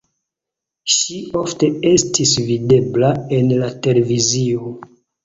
Ŝi ofte estis videbla en la televizio.